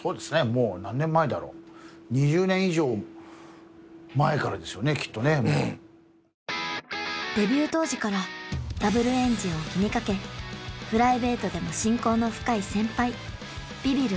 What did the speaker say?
もう何年前だろうからですよねきっとねもうデビュー当時からＷエンジンを気にかけプライベートでも親交の深い先輩ビビる